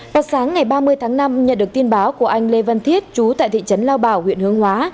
vào sáng ngày ba mươi tháng năm nhận được tin báo của anh lê văn thiết chú tại thị trấn lao bảo huyện hướng hóa